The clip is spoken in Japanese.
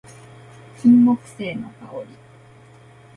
金木犀の香り